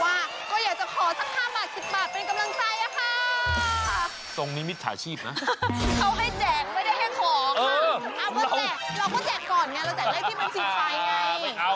เราก็แจกก่อนไงเราแจกได้ที่มันชิดไฟไง